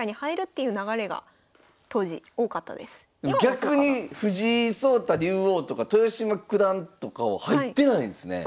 逆に藤井聡太竜王とか豊島九段とかは入ってないんすね。